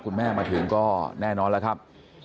คุณแม่มาถึงก็แน่นอนแล้วครับ